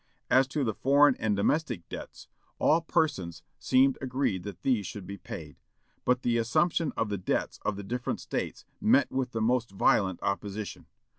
As to the foreign and domestic debts, all persons seemed agreed that these should be paid; but the assumption of the debts of the different States met with the most violent opposition.